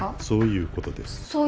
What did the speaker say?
そういうことですか。